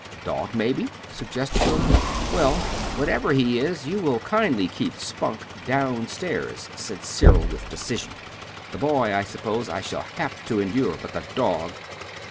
"Dog, maybe," suggested William. "Well, whatever he is, you will kindly keep Spunk down stairs," said Cyril with decision. "The boy, I suppose I shall have to endure; but the dog